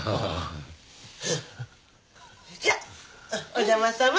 お邪魔さま。